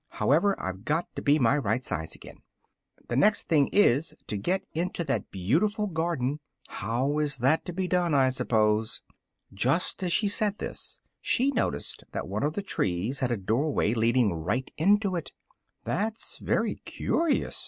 However, I've got to my right size again: the next thing is, to get into that beautiful garden how is that to be done, I wonder?" Just as she said this, she noticed that one of the trees had a doorway leading right into it. "That's very curious!"